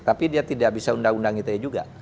tapi dia tidak bisa undang undang ite juga